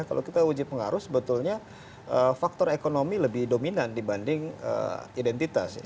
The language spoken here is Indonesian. kalau kita uji pengaruh sebetulnya faktor ekonomi lebih dominan dibanding identitas